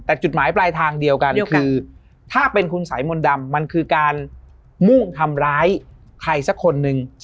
แต่จุดหมายปลายทางเดียวกันคือถ้าเป็นคุณสายมนต์ดำมันคือการมุ่งทำร้ายใครสักคนนึง